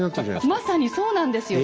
まさにそうなんですよ。